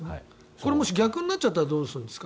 これ、もし逆になっちゃったらどうするんですか？